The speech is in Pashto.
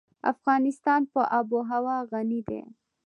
افغانستان په آب وهوا غني دی.